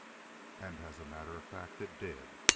And as a matter of fact, it did.